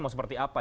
mau seperti apa